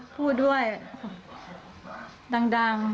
พูดด้วยดัง